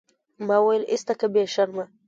ما وويل ايسته که بې شرمه.